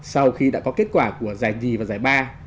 sau khi đã có kết quả của giải nhì và giải ba